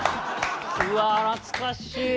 うわー懐かしい！